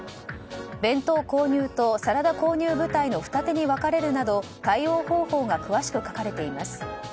弁当購入とサラダ購入部隊の二手に分かれるなど対応方法が詳しく書かれています。